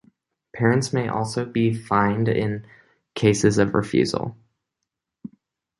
Parents may also be fined in cases of refusal.